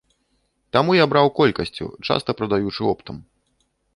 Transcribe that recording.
Таму я браў колькасцю, часта прадаючы оптам.